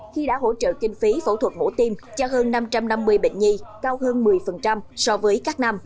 khi đã hỗ trợ kinh phí phẫu thuật mổ tim cho hơn năm trăm năm mươi bệnh nhi cao hơn một mươi so với các năm